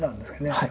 はい。